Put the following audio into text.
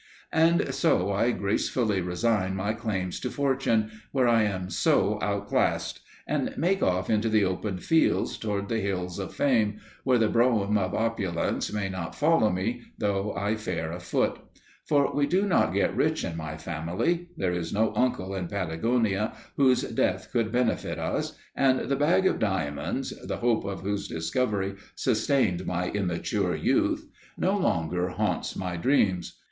And so I gracefully resign my claims to fortune, where I am so outclassed, and make off into the open fields towards the Hills of Fame, where the brougham of Opulence may not follow me, though I fare afoot. For we do not get rich in my family; there is no uncle in Patagonia whose death could benefit us, and the bag of diamonds, the hope of whose discovery sustained my immature youth, no longer haunts my dreams.